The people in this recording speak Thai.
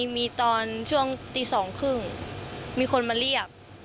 มีตอนช่วงตี๒๓๐มีคนมาเรียก